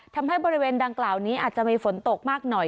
ทำให้บริเวณดังกล่าวนี้อาจจะมีฝนตกมากหน่อย